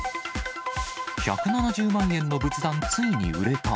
１７０万円の仏壇、ついに売れた。